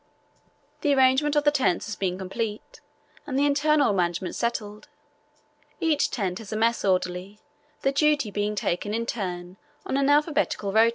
The arrangement of the tents has been completed and their internal management settled. Each tent has a mess orderly, the duty being taken in turn on an alphabetical rota.